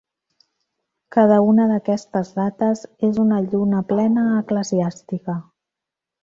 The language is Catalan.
Cada una d'aquestes dates és una lluna plena eclesiàstica.